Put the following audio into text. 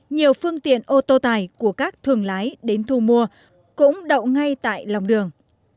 nhiều phương tiện ô tô tải của các thường lái đến thu mua cũng đậu ngay tại lòng đường